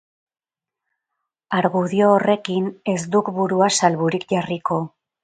Argudio horrekin ez duk burua salburik jarriko.